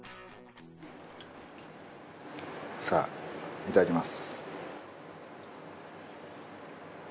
さあいただきます。